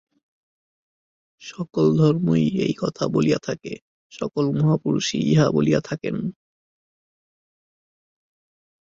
সকল ধর্মই এই কথা বলিয়া থাকে, সকল মহাপুরুষই ইহা বলিয়া থাকেন।